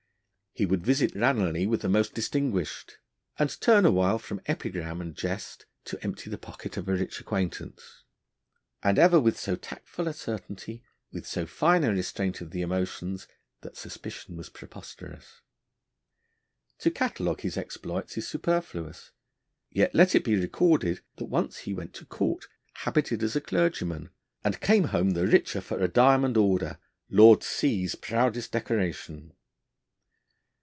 He would visit Ranelagh with the most distinguished, and turn a while from epigram and jest to empty the pocket of a rich acquaintance. And ever with so tactful a certainty, with so fine a restraint of the emotions, that suspicion was preposterous. To catalogue his exploits is superfluous, yet let it be recorded that once he went to Court, habited as a clergyman, and came home the richer for a diamond order, Lord C 's proudest decoration.